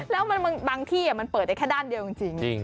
แล้วบางที่มันเปิดได้แค่ด้านเดียวจริง